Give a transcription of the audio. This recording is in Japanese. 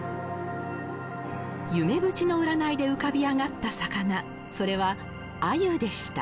夢淵の占いで浮かび上がった魚それは鮎でした。